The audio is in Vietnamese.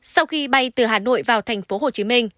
sau khi bay từ hà nội vào thành phố hồ chí minh